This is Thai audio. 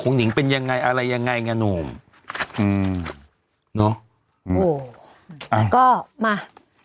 ของหนิงเป็นยังไงอะไรยังไงงานมอืมเนาะโอ้อ่าก็มา